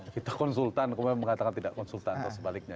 kita konsultan kemudian mengatakan tidak konsultan atau sebaliknya